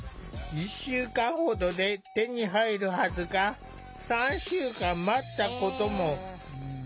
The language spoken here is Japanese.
１週間程で手に入るはずが３週間待ったことも。